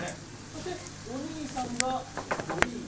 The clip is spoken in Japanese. そしてお兄さんが頼家。